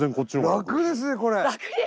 楽ですねこれ。